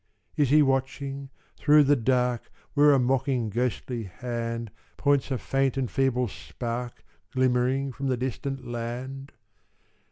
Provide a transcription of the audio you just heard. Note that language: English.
"Is he watching, through the dark Where a mocking ghostly hand Points a faint and feeble spark Glimmering from the distant land?